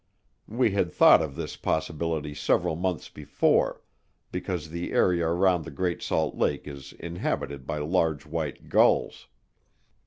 We had thought of this possibility several months before because the area around the Great Salt Lake is inhabited by large white gulls.